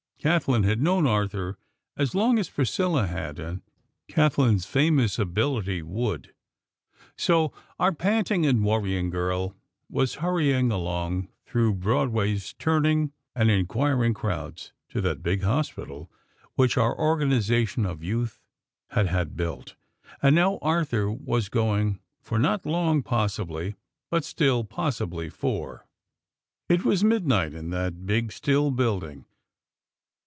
Kathlyn had known Arthur as long as Priscilla had; and Kathlyn's famous ability would So our panting and worrying girl was hurrying along through Broadway's turning and inquiring crowds to that big hospital which our Organization of Youth had had built. And now Arthur was going, for not long, possibly, but, still possibly for It was midnight in that big still building.